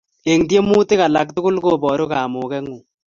Eng tiemutik alak tugul ko boru kamugengung